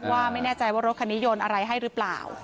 ว่าไม่แน่ใจว่ารถคันนี้โยนอะไรให้หรือเปล่า